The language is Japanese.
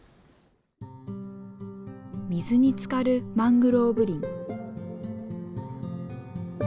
水につかるマングローブ林。